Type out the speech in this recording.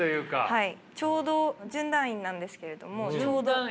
はい。